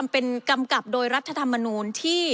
เป็นกำกับรัฐธรรมนูน